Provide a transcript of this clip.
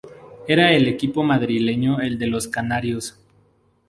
Era el equipo madrileño el de los canarios.